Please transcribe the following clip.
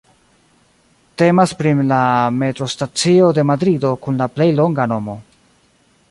Temas pri la metrostacio de Madrido kun la plej longa nomo.